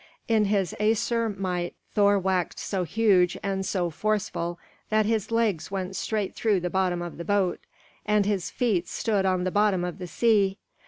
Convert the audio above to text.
In his Æsir might Thor waxed so huge and so forceful that his legs went straight through the bottom of the boat and his feet stood on the bottom of the sea.